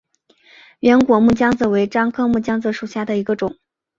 圆果木姜子为樟科木姜子属下的一个种。